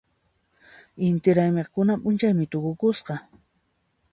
Inti raymi kunan p'unchaymi tukukusqa.